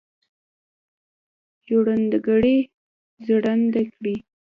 ژرندهګړی ژرنده کړي.